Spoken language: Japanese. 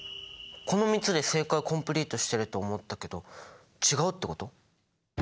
この３つで正解コンプリートしてると思ったけど違うってこと！？